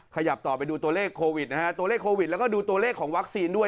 ขยับต่อไปดูตัวเลขโควิดนะฮะตัวเลขโควิดแล้วก็ดูตัวเลขของวัคซีนด้วย